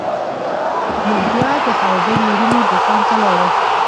موږ بیا د هارډینګ ورونو دکان ته لاړو.